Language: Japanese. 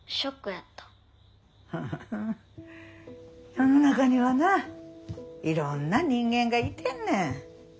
世の中にはないろんな人間がいてんねん。